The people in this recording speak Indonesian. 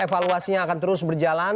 evaluasinya akan terus berjalan